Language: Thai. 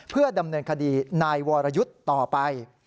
เพื่อดำเนินคดีนายวรยุทธ์ต่อไป